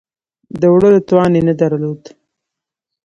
د وړلو توان یې نه درلود.